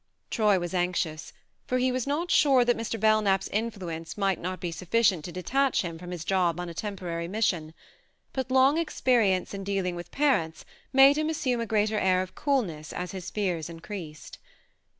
" Troy was anxious, for he was not sure that Mr. Belknap's influence might 80 THE MARNE not be sufficient to detach him from his job on a temporary mission ; but long experience in dealing with parents made him assume a greater air of coolness as his fears increased.